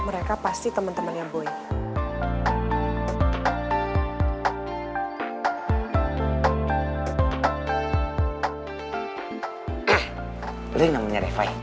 mereka pasti temen temennya boy